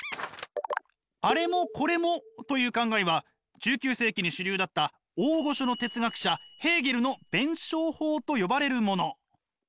「あれもこれも」という考えは１９世紀に主流だった大御所の哲学者ヘーゲルの弁証法と呼ばれるもの。